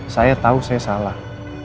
saya tau saya salah